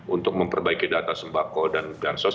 untuk memperbaiki data sembako dan bansos